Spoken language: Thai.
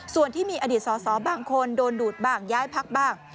ส่วนที่มีอดีตสอสอบางคนโดนดูดบ้างย้ายพักบ้าง